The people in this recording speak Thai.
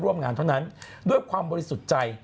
ร่วมงานเท่านั้นด้วยความบริสุทธิ์ใจ